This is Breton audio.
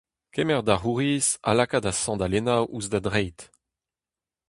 Kemer da c’houriz ha laka da sandalennoù ouzh da dreid.